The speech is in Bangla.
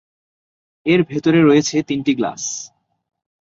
এর ভেতরে রয়েছে তিনটি গ্লাস।